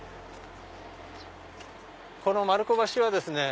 この丸子橋はですね